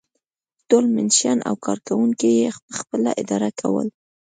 ټول منشیان او کارکوونکي یې پخپله اداره کول.